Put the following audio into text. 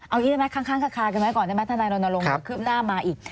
เอาอีฟได้ไหมข้างกันไหมก่อนถ้าในรณรงค์ขึ้นหน้ามาอีก